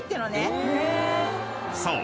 ［そう。